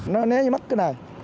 nó né với mất cái này